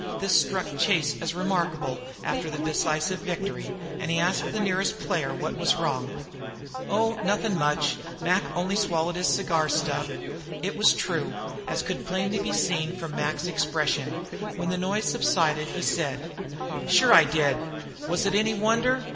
This struck Chase as remarkable after the decisive victory, and he asked the nearest player what was wrong. "Oh! nuthin' much! Mac only swallowed his cigar stub!" It was true, as could be plainly seen from Mac's expression. When the noise subsided he said: "Shure, I did. Was it any wonder?